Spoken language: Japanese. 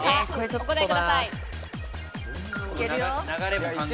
お答えください。